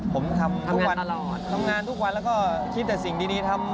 เพราะผมทำงานทุกวันแล้วก็คิดแต่สิ่งดีทำ